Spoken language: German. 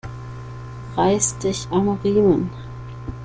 Reiß dich am Riemen!